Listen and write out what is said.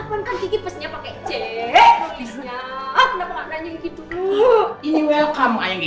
udah salah pake jawab lagi